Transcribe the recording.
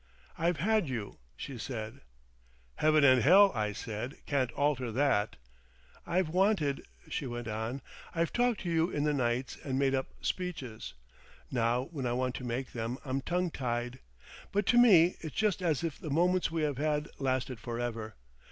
"I've had you," she said. "Heaven and hell," I said, "can't alter that." "I've wanted—" she went on. "I've talked to you in the nights and made up speeches. Now when I want to make them I'm tongue tied. But to me it's just as if the moments we have had lasted for ever.